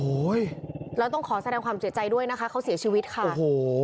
โอ้โหแล้วต้องขอแสดงความเสียใจด้วยนะคะเขาเสียชีวิตค่ะโอ้โห